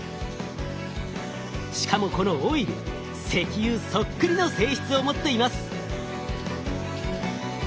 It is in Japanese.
しかもこのオイル石油そっくりの性質を持っています。